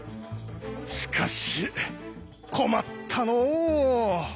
しかし困ったのう。